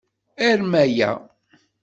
Arem aya.